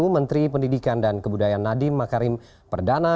menteri pendidikan dan kebudayaan nadiem makarim perdana